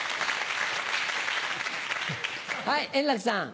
はい円楽さん。